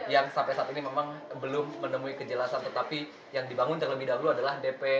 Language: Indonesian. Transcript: yang sampai saat ini memang belum menemui kejelasan tetapi yang dibangun terlebih dahulu adalah dpd